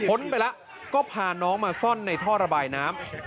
ไปแล้วก็พาน้องมาซ่อนในท่อระบายน้ำ